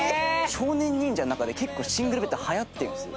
少年忍者の中で結構『シングルベッド』流行ってるんですよ。